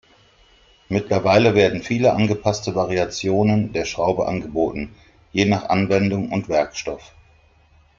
Mittlerweile werden viele angepasste Variationen der Schraube angeboten, je nach Anwendung und Werkstoff.